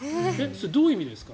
それどういう意味ですか？